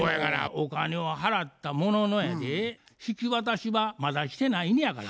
お金を払ったもののやで引き渡しはまだしてないのやから。